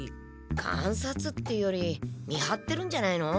かんさつっていうより見はってるんじゃないの？